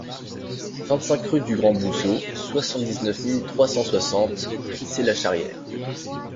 vingt-cinq rue du Grand Bousseau, soixante-dix-neuf mille trois cent soixante Prissé-la-Charrière